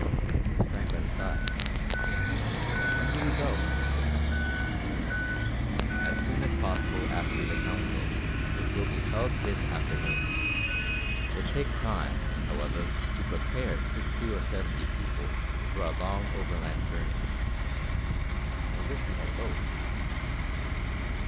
Mrs. Franklin sighed. "When do we go?" she asked. "As soon as possible after the council, which will be held this afternoon. It takes time, however, to prepare sixty or seventy people for a long overland journey." "I wish we had boats."